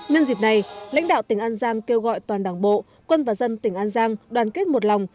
nhân dịp này lãnh đạo tỉnh an giang kêu gọi toàn đảng bộ quân và dân tỉnh an giang đoàn kết một lòng